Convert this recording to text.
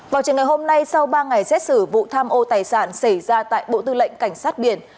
vào trường ngày hôm nay sau ba ngày xét xử vụ tham ô tài sản xảy ra tại bộ tư lệnh cảnh sát biển